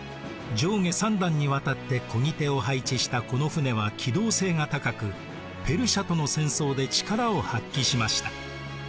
上下３段にわたってこぎ手を配置したこの船は機動性が高くペルシアとの戦争で力を発揮しました。